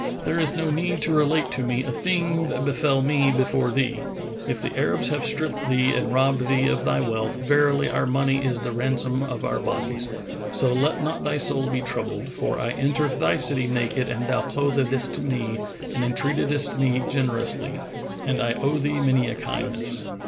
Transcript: There is no need to relate to me a thing that befel me before thee. If the Arabs have stripped thee and robbed thee of thy wealth, verily our money is the ransom of our bodies, so let not thy soul be troubled; for I entered thy city naked and thou clothedst me and entreatedst me generously, and I owe thee many a kindness.